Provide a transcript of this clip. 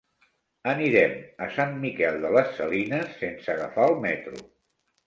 Anirem a Sant Miquel de les Salines sense agafar el metro.